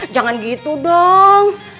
jangan gitu dong